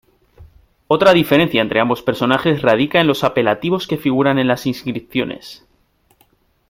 Otra diferencia entre ambos personajes radica en los apelativos que figuran en las inscripciones.